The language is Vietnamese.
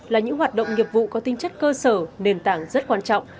là những hoạt động nghiệp vụ có tinh chất cơ sở nền tảng rất quan trọng